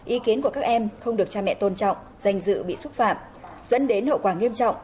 ý kiến của các em không được cha mẹ tôn trọng danh dự bị xúc phạm dẫn đến hậu quả nghiêm trọng